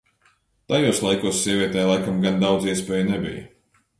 Tajos laikos sievietei laikam gan daudz iespēju nebija.